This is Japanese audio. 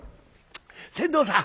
「船頭さん！